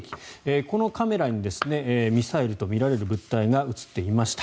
このカメラにミサイルとみられる物体が映っていました。